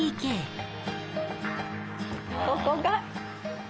ここが。